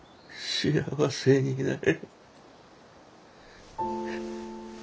幸せになれ。